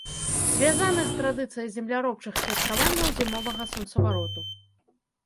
Звязаны з традыцыяй земляробчых святкаванняў зімовага сонцавароту.